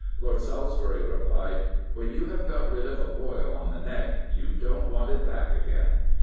Lord Salisbury replied: " When you have got rid of a boil on the neck, you don't want it back again."